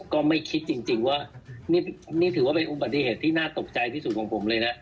ก็ไม่คิดจริงว่านี่ถือว่าเป็นอุบัติเหตุที่น่าตกใจที่สุดของผมเลยนะ